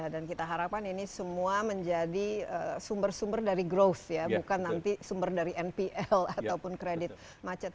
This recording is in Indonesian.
dan kita harapkan ini semua menjadi sumber sumber dari growth ya bukan nanti sumber dari npl ataupun kredit macet